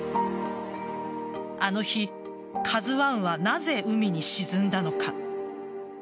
あの日、「ＫＡＺＵ１」はなぜ海に沈んだのか。